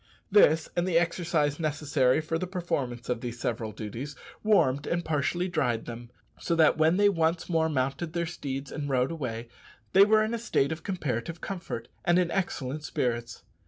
This, and the exercise necessary for the performance of these several duties, warmed and partially dried them; so that when they once more mounted their steeds and rode away, they were in a state of comparative comfort and in excellent spirits.